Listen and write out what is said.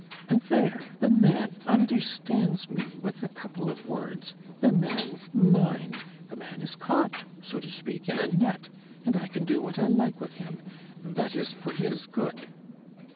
and there the man understands me with a couple of words, the man's mine, the man is caught, so to speak, in a net, and I can do what I like with him, that is, for his good.